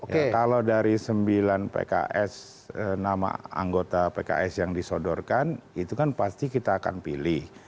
ya kalau dari sembilan pks nama anggota pks yang disodorkan itu kan pasti kita akan pilih